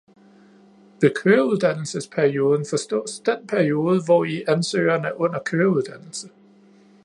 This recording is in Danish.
Ved køreuddannelsesperioden forstås den periode, hvori ansøgeren er under køreuddannelse